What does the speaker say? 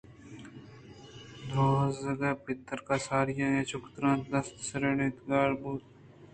دروازگ ءِ پترگءَ ساری آئیءَ چک ترّینت دست سُرینت اَنتءُگار بوت